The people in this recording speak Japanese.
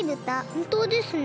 ほんとうですね。